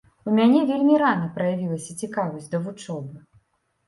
У мяне вельмі рана праявілася цікавасць да вучобы.